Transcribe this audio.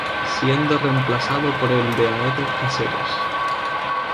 Siendo reemplazado por el de Haedo-Caseros.